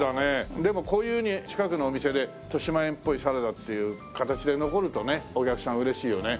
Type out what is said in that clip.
でもこういうふうに近くのお店で豊島園っぽいサラダっていう形で残るとねお客さん嬉しいよね。